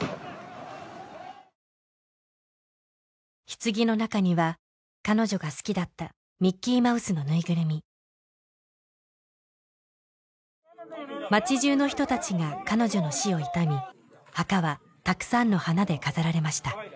ひつぎの中には彼女が好きだったミッキーマウスのぬいぐるみ町じゅうの人たちが彼女の死を悼み墓はたくさんの花で飾られました